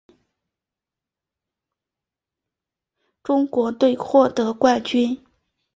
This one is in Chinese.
中国队获得冠军。